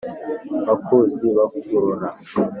bakuzi bakurora